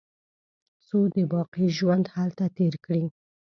څو د باقي ژوند هلته تېر کړي.